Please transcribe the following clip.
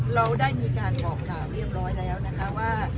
เราได้มีการบอกกล่าวเรียบร้อยแล้วนะคะว่า